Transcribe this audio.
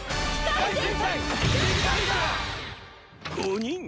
５人？